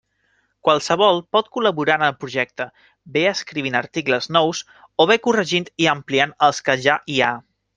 Qualsevol pot col·laborar en el projecte, bé escrivint articles nous, o bé corregint i ampliant els que ja hi ha.